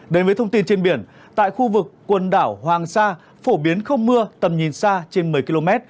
đến với thông tin trên biển tại khu vực quần đảo hoàng sa phổ biến không mưa tầm nhìn xa trên một mươi km